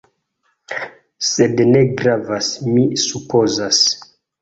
Sed ne gravas, mi supozas.